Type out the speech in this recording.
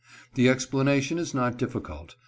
The explanation is not difficult.